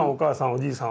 おじさん